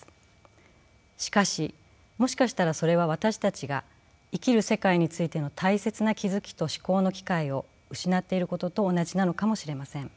しかしもしかしたらそれは私たちが生きる世界についての大切な気付きと思考の機会を失っていることと同じなのかもしれません。